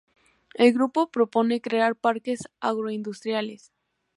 El grupo propone crear parques agroindustriales.